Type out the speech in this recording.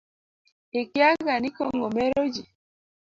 Ikiaga ni kong'o meroji.